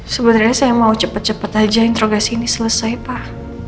sebenarnya saya mau cepet cepet aja introgasi ini selesai pak